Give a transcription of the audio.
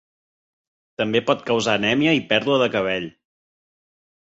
També pot causar anèmia i pèrdua de cabell.